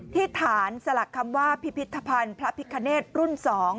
ที่ฐานสลักคำว่าพิพิธภัณฑ์พระพิคเนตรุ่น๒